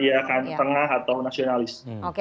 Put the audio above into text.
iya kan tengah atau nasionalis